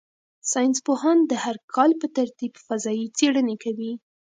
ساینس پوهان د هر کال په ترتیب فضايي څېړنې کوي.